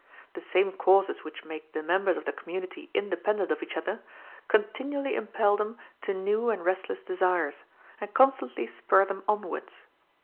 The same causes which make the members of the community independent of each other, continually impel them to new and restless desires, and constantly spur them onwards.